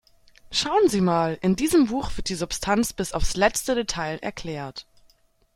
Schauen Sie mal, in diesem Buch wird die Substanz bis aufs letzte Detail erklärt.